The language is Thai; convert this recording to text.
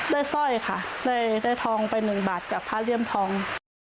สร้อยค่ะได้ทองไป๑บาทกับพระเลี่ยมทอง